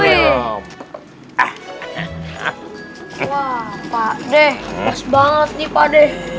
wah pakde haus banget nih pakde